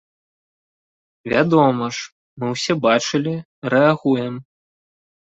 Вядома ж, мы ўсе бачылі, рэагуем.